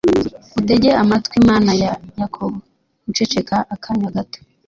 utege amatwi Mana ya Yakobo guceceka akanya gato